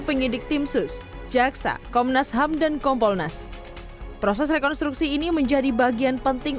penyidik tim sus jaksa komnas ham dan kompolnas proses rekonstruksi ini menjadi bagian penting